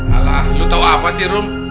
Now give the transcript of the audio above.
alah lo tau apa sih rum